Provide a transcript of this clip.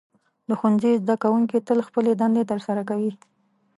د ښوونځي زده کوونکي تل خپلې دندې ترسره کوي.